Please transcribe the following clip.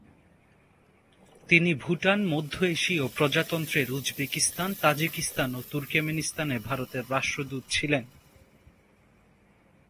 তিনি ভুটান, মধ্য এশীয় প্রজাতন্ত্রের উজবেকিস্তান, তাজিকিস্তান ও তুর্কমেনিস্তানে ভারতের রাষ্ট্রদূত ছিলেন।